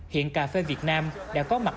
hiện cà phê việt nam đã có mặt